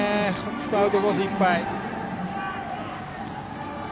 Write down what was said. アウトコースいっぱい。